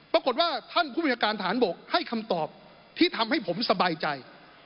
ปรากฏว่าท่านผู้บัญชาการฐานบกให้คำตอบที่ทำให้ผมสบายใจ